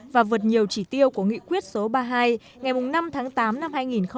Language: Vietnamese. và vượt nhiều chỉ tiêu của nghị quyết số ba mươi hai ngày năm tháng tám năm hai nghìn ba